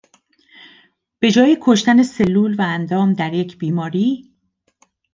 به جای کشتن سلول و اندام در یک بیماری